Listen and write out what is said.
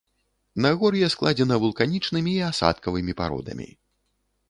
Нагор'е складзена вулканічнымі і асадкавымі пародамі.